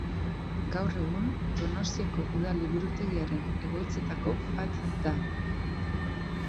Gaur egun Donostiako Udal Liburutegiaren egoitzetako bat da.